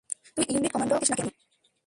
তুই unit command করছিস নাকি আমি?